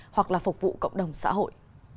hoặc là phục vụ cộng đồng xã hội